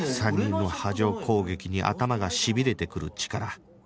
３人の波状攻撃に頭がしびれてくるチカラ